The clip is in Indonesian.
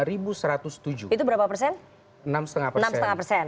itu berapa persen